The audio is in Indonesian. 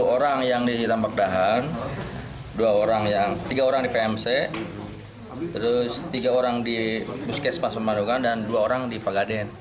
sepuluh orang yang di rambang dahan tiga orang di pmc tiga orang di puskesmas panakukan dan dua orang di pagaden